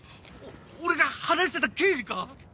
俺が話してた刑事か⁉